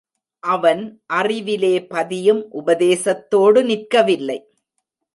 அவன் அறிவிலே பதியும் உபதேசத்தோடு நிற்கவில்லை.